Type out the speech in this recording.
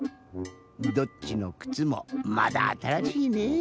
どっちのくつもまだあたらしいねぇ。